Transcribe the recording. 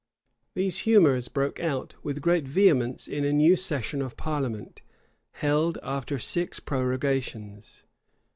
These humors broke out with great vehemence in a new session of parliament, held after six prorogations.